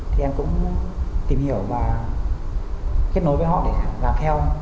thì em cũng tìm hiểu và kết nối với họ để làm theo